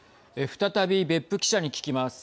再び別府記者に聞きます。